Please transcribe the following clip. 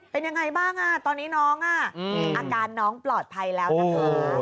เป็นยังไงบ้างตอนนี้น้องอาการน้องปลอดภัยแล้วนะคะ